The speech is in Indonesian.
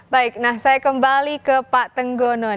baik saya kembali ke pak tenggono